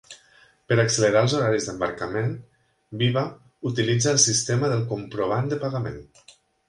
Per accelerar els horaris d'embarcament, Viva utilitza el sistema del "comprovant de pagament".